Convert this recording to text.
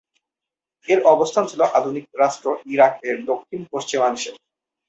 এর অবস্থান ছিল আধুনিক রাষ্ট্র ইরাক এর দক্ষিণ-পশ্চিমাংশে।